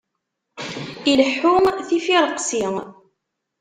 Ileḥḥu tifiṛeqsi.